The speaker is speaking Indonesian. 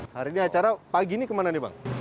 hari ini acara pagi ini kemana nih bang